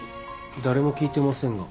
誰も聞いてませんが。